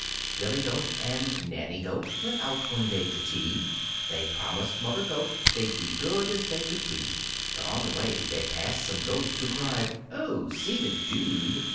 Billy Goat and Nanny Goat went out one day to tea. They promised Mother Goat they'd be good as they could be, But on the way they passed some goats who cried: "Oh, see the dude!"